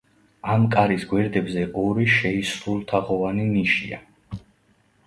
ამ კარის გვერდებზე ორი შეისრულთაღოვანი ნიშია.